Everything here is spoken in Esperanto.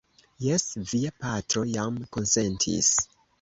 Jes, via patro jam konsentis.